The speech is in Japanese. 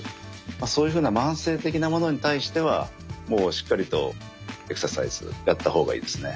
そういうふうな慢性的なものに対してはもうしっかりとエクササイズやった方がいいですね。